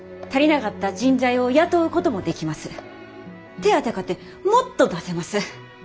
手当かてもっと出せます。